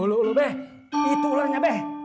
ulu ulu be itu ularnya be